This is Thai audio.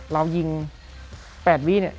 เรายิง๘วินิติ